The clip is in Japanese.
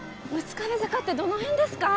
壁坂ってどの辺ですか？